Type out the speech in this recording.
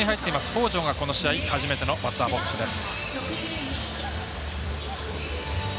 北條がこの試合初めてのバッターボックスです。